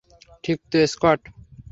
ঠিক তো, স্কট?